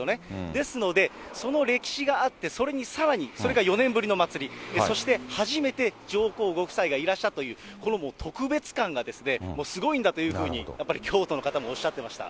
ですのでその歴史があって、さらにそれが４年ぶりのお祭り、そして初めて上皇ご夫妻がいらしたという、この特別感がもうすごいんだというふうに、京都の方もおっしゃっていました。